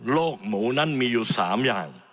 หมูนั้นมีอยู่๓อย่าง